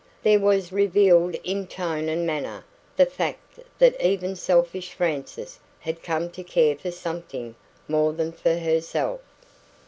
There was revealed in tone and manner the fact that even selfish Frances had come to care for something more than for herself.